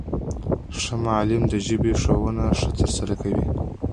ښه معلم د ژبي ښوونه ښه ترسره کوي.